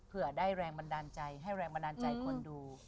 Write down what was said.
เพื่อได้แรงบันดาลใจให้แรงบันดาลใจคนดู